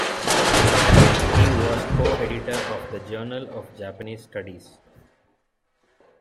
He was co-editor of the "Journal of Japanese Studies".